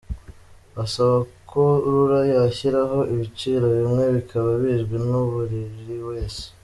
Basaba ko Rura yashyiraho ibiciro bimwe bikaba bizwi naburi wese.